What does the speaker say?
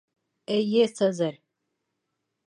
Эйе, Цезарь.